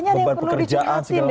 beban pekerjaan segala macem